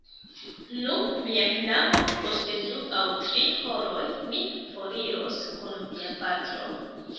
Nu, mia knabo, post du aŭ tri horoj mi foriros kun via patro...